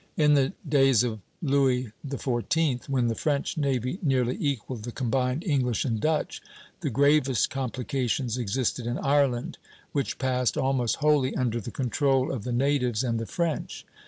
In the days of Louis XIV., when the French navy nearly equalled the combined English and Dutch, the gravest complications existed in Ireland, which passed almost wholly under the control of the natives and the French.